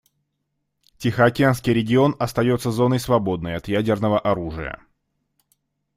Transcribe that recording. Тихоокеанский регион остается зоной, свободной от ядерного оружия.